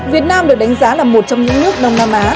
việt nam được đánh giá là một trong những nước đông nam á